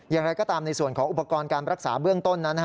อย่างไรก็ตามในส่วนของอุปกรณ์การรักษาเบื้องต้นนั้น